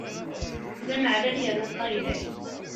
D amaɛlal yerna ṭṭaglal.